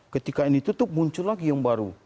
ketika ini tutup muncul lagi yang baru